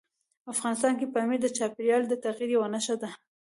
افغانستان کې پامیر د چاپېریال د تغیر یوه نښه ده.